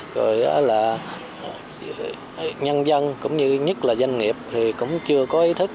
rồi là nhân dân cũng như nhất là doanh nghiệp thì cũng chưa có ý thức